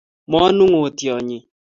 Manung'otiot nyi